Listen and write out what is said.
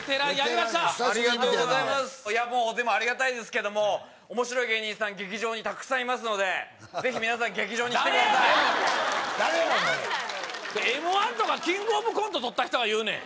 久しぶりに見てなありがたいですけども面白い芸人さん劇場にたくさんいますのでぜひ皆さん劇場に来てください誰やねん！